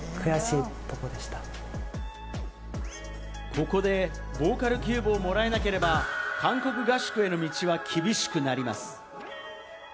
ここでボーカルキューブをもらえなければ韓国合宿への道は厳しくなります。